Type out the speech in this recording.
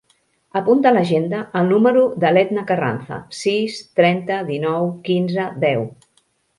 Apunta a l'agenda el número de l'Edna Carranza: sis, trenta, dinou, quinze, deu.